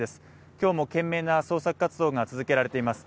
今日も懸命な捜索活動が続けられています。